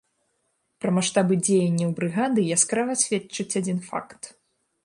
Пра маштабы дзеянняў брыгады яскрава сведчыць адзін факт.